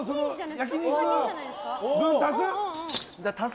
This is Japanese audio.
焼き肉分足す？